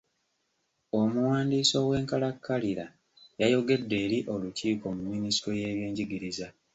Omuwandiisi ow'enkalakkalira yayogedde eri olukiiko mu minisitule y'ebyenjigiriza.